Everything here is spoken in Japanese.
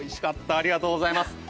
ありがとうございます。